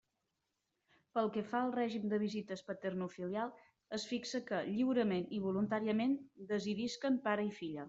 Pel que fa al règim de visites paternofilial, es fixa que lliurament i voluntàriament decidisquen pare i filla.